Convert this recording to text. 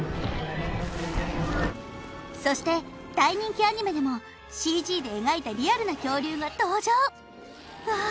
そして大人気アニメでもＣＧで描いたリアルな恐竜が登場うわ